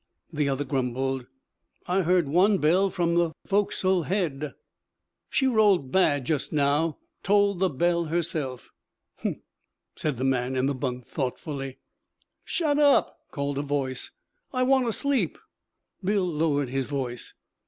The other grumbled. 'I heard one bell from the fo'c's'le head.' 'She rolled bad just now. Tolled the bell herself.' 'Humph!' said the man in the bunk thoughtfully. 'Shut up!' called a voice. 'I want to sleep.' Bill lowered his voice.